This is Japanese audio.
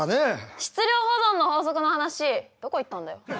質量保存の法則の話どこ行ったんだよ？